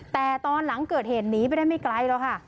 แต่ตอนหลังเกิดเหตุหนีไปได้ไม่ไกลหรอกค่ะ